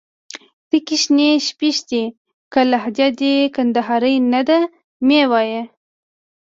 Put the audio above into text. تکي شنې شپيشتي. که لهجه دي کندهارۍ نه ده مې وايه